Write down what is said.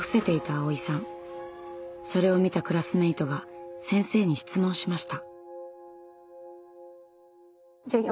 それを見たクラスメートが先生に質問しました。